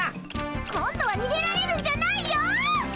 今度はにげられるんじゃないよ！